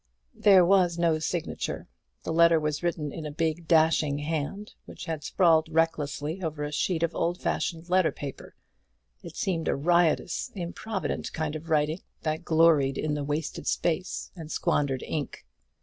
There was no signature. The letter was written in a big dashing hand, which had sprawled recklessly over a sheet of old fashioned letter paper; it seemed a riotous, improvident kind of writing, that gloried in the wasted space and squandered ink.